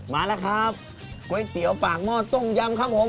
มาแล้วครับก๋วยเตี๋ยวปากหม้อต้มยำครับผม